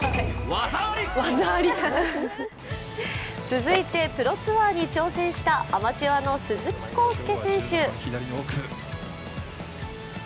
続いてプロツアーに挑戦したアマチュアの鈴木晃祐選手。